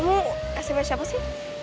dok kamu sms siapa sih